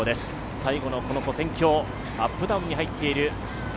最後のこ線橋、アップダウンに入っている。